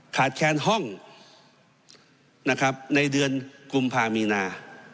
แค้นห้องนะครับในเดือนกุมภามีนา